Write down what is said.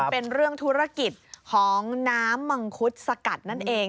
เป็นเรื่องธุรกิจของน้ำมังคุดสกัดนั่นเอง